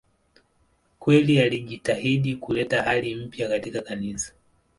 Kweli alijitahidi kuleta hali mpya katika Kanisa.